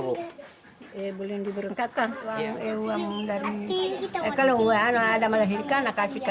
bantu bantu orang melahirkan